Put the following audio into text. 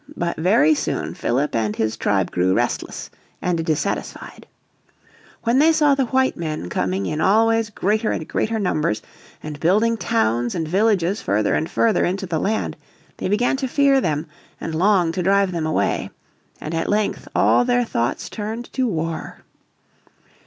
But very soon Philip and his tribe grew restless and dissatisfied. When they saw the white men coming in always greater and greater numbers, and building towns and villages further and further into the land, they began to fear them and long to drive them away. And at length all their thoughts turned to war.